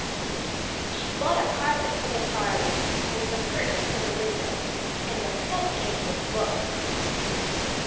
She bought a carpet for the parlor, and some curtains for the windows, and a bookcase of books.